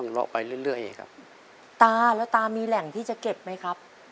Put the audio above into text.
แล้วตามีแหล่งที่จะเก็บไหมครับ